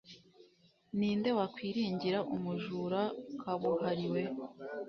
ni nde wakwiringira umujura kabuhariwe